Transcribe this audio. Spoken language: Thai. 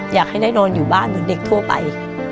อยากให้ได้นอนอยู่บ้านเหมือนเด็กทั่วไป